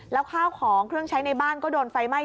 แล้วข้าวของเครื่องใช้ในบ้านก็โดนไฟไหม้